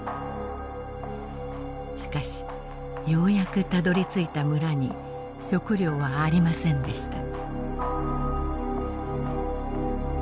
しかしようやくたどりついた村に食糧はありませんでした。